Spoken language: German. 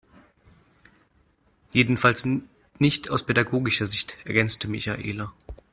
Jedenfalls nicht aus pädagogischer Sicht, ergänzte Michaela.